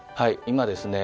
今ですね